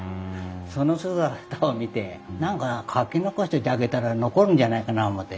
その姿を見て何か描き残しといてあげたら残るんじゃないかな思て。